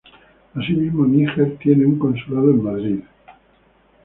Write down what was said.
Asimismo, Níger tiene un consulado en Madrid.